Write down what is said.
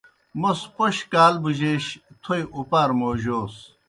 موْس پوْش کال بُجَیش تھوئے اُپار موجوس۔